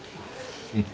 うん。